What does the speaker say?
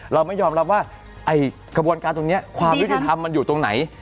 เราไม่ยอมรับว่าไอ้กระบวนการตรงนี้ความยุติธรรมมันอยู่ตรงไหน